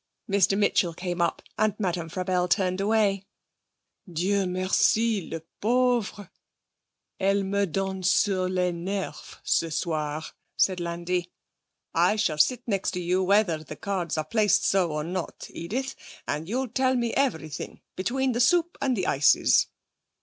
Mr Mitchell came up, and Madame Frabelle turned away. 'Dieu merci! La pauvre! Elle me donne sur les nerfs ce soir,' said Landi. 'I shall sit next to you whether the cards are placed so or not, Edith, and you'll tell me everything between the soup and the ices.'